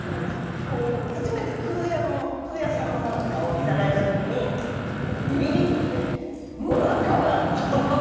初めて空也さんのもなかをいただいた時にビビビッと来て、もなかだ！と思ったんです。